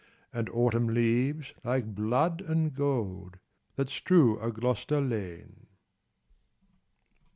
And Autumn leaves like blood and gold That strew a Gloucester lane.